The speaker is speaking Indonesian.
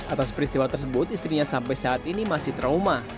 atas peristiwa tersebut istrinya sampai saat ini masih trauma